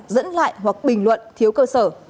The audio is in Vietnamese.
dẫn lại hoặc bình luận thiếu cơ sở